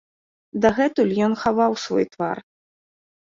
Дагэтуль ён хаваў свой твар.